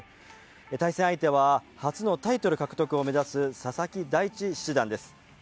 対戦相手は初のタイトル獲得を目指す佐々木大地七段です。